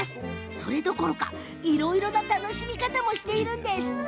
それどころかいろいろな楽しみ方をしています。